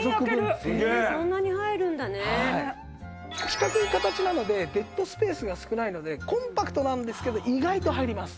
四角い形なのでデッドスペースが少ないのでコンパクトなんですけど意外と入ります。